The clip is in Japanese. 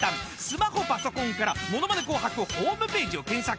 スマホパソコンから『ものまね紅白』ホームページを検索。